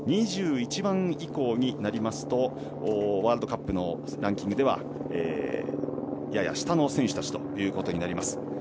２１番以降になりますとワールドカップランキングではやや下の選手たちとなります。